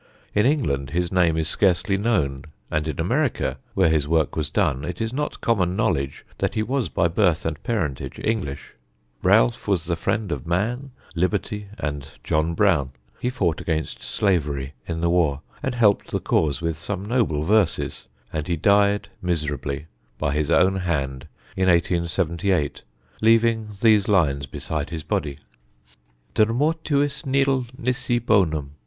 In England his name is scarcely known; and in America, where his work was done, it is not common knowledge that he was by birth and parentage English. Realf was the friend of man, liberty and John Brown; he fought against slavery in the war, and helped the cause with some noble verses; and he died miserably by his own hand in 1878, leaving these lines beside his body: "De mortuis nil nisi bonum."